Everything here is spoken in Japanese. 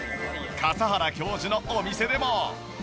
笠原教授のお店でも。